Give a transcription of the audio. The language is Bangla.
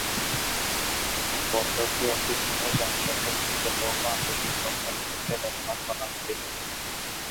বন্দরটি একটি খনিজ অঞ্চলের থেকে লৌহ আকরিক রপ্তানি করতে ব্যবহার করা হবে।